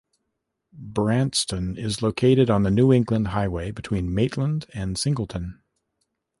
Branxton is located on the New England Highway between Maitland and Singleton.